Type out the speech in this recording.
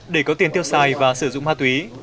để có tiền tiêu xài và sử dụng ma túy